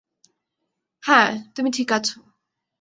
হ্যাঁ, তুমি ঠিক আছ।